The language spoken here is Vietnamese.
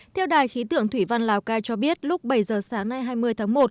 theo đài khí tượng thủy văn lào cai cho biết lúc bảy giờ sáng nay hai mươi tháng một